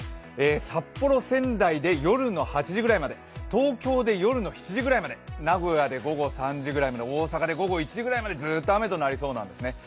札幌、仙台で夜の８時ぐらいまで東京で夜の７時ぐらいまで名古屋で午後３時ぐらいまで大阪で午後１時ぐらいまでずーっと雨となりそうなんですね。